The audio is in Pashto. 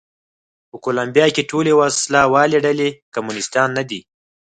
په کولمبیا کې ټولې وسله والې ډلې کمونېستان نه دي.